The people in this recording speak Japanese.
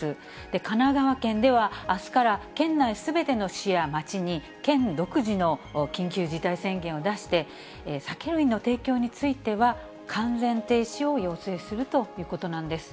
神奈川県ではあすから県内すべての市や町に、県独自の緊急事態宣言を出して、酒類の提供については、完全停止を要請するということなんです。